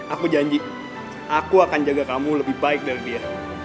aku janji aku akan jaga kamu lebih baik dari diri